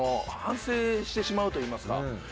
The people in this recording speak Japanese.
反省してしまうといいますか。